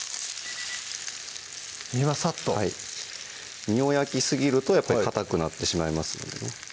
身はサッとはい身を焼きすぎるとやっぱりかたくなってしまいますのでね